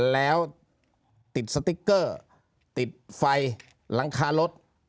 แล้วติดสติ๊กเกอร์ติดไฟหลังคารถ